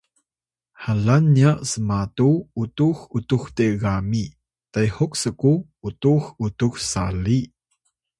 halan nya smatu utux utux tegami tehuk sku utux utux sali